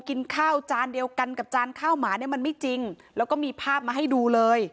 กินข้าวจานเดียวกันกับจานข้าวหมาเนี่ยมันไม่จริงแล้วก็มีภาพมาให้ดูเลย